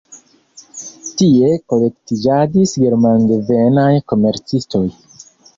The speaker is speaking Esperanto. Tie kolektiĝadis germandevenaj komercistoj.